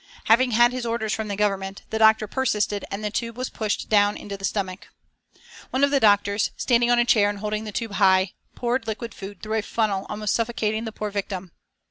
Having had his orders from the Government, the doctor persisted and the tube was pushed down into the stomach. One of the doctors, standing on a chair and holding the tube high poured liquid food through a funnel almost suffocating the poor victim.